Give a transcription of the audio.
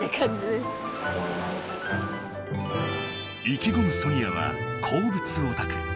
意気込むソニアは鉱物オタク。